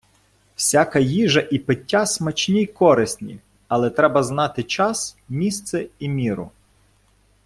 Всяка їжа і пиття смачні й корисні, але треба знати час, місце і міру.